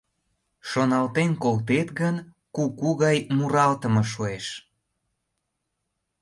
Шоналтен колтет гын, куку гай муралтыме шуэш.